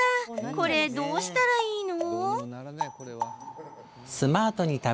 これ、どうしたらいいの？